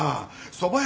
そば屋？